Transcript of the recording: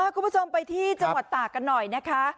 คุณผู้ชมไปที่จังหวัดตากกันหน่อยนะคะ